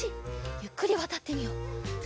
ゆっくりわたってみよう。